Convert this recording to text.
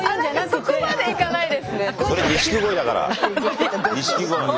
そこまでいかないですね。